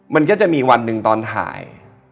มันก็จะมีวันหนึ่งตอนถ่าย